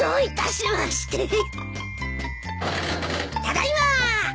ただいま。